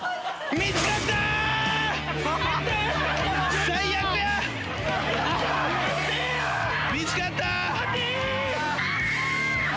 見つかった。